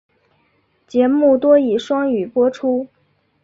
节目多以双语播出。